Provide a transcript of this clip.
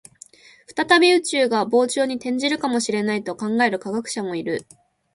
再び宇宙が膨張に転じるかもしれないと考える科学者もいる